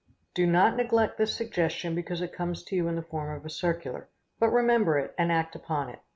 Do not neglect this suggestion because it comes to you in the form of a circular, but remember it and act upon it.